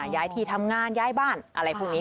ย้ายที่ทำงานย้ายบ้านอะไรพวกนี้